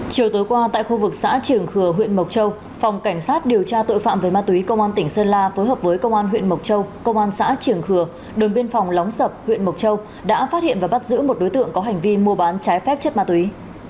chiều tối qua tại khu vực xã triềng khừa huyện mộc châu phòng cảnh sát điều tra tội phạm về ma túy công an tỉnh sơn la phối hợp với công an huyện mộc châu công an xã triển khừa đồn biên phòng lóng sập huyện mộc châu đã phát hiện và bắt giữ một đối tượng có hành vi mua bán trái phép chất ma túy